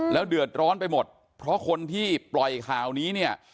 แล้วเดือดร้อนไปหมดเพราะคนที่ปล่อยข่าวนี้เนี่ย